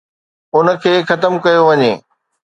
ان کي ختم ڪيو وڃي.